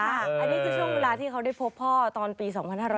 อันนี้คือช่วงเวลาที่เขาได้พบพ่อตอนปี๒๕๕๙